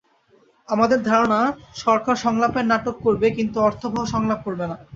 আমাদের ধারণা, সরকার সংলাপের নাটক করবে কিন্তু অর্থবহ সংলাপ করবে না।